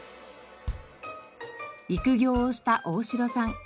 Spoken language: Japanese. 育業をした大城さん。